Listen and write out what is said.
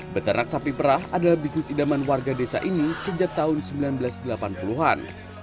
beternak sapi perah adalah bisnis idaman warga desa ini sejak tahun seribu sembilan ratus delapan puluh an